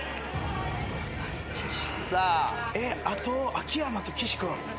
あと秋山と岸君。